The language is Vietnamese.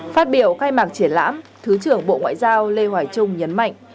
phát biểu khai mạc triển lãm thứ trưởng bộ ngoại giao lê hoài trung nhấn mạnh